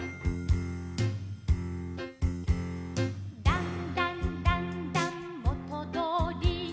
「だんだんだんだんもとどおり」